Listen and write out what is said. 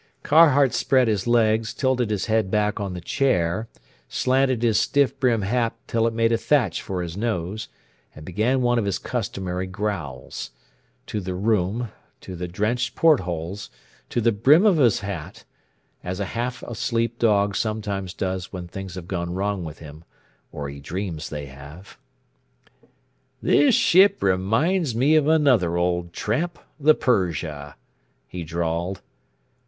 Carhart spread his legs, tilted his head back on the chair, slanted his stiff brim hat until it made a thatch for his nose, and began one of his customary growls: to the room to the drenched port holes to the brim of his hat; as a half asleep dog sometimes does when things have gone wrong with him or he dreams they have. "This ship reminds me of another old tramp, the Persia," he drawled.